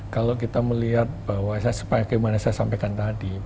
kalau kita melihat bahwa seperti yang saya sampaikan tadi